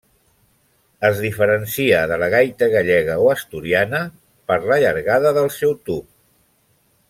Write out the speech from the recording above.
Es diferencia de la gaita gallega o asturiana per a llargada del seu tub.